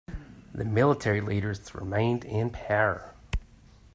The military leaders remained in power.